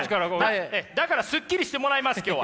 だからスッキリしてもらいます今日は。